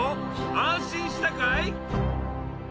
安心したかい？